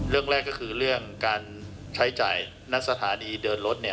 เรื่องแรกก็คือเรื่องการใช้จ่ายณสถานีเดินรถ